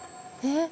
えっ？